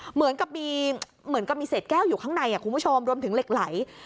เหมือนกับมีเศษแก้วอยู่ข้างในคุณผู้ชมรวมถึงเหล็กไหล